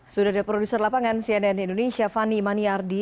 sudah ada produser lapangan cnn indonesia fani maniardi